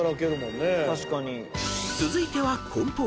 ［続いては梱包］